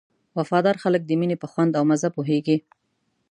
وفاداره خلک د مینې په خوند او مزه پوهېږي.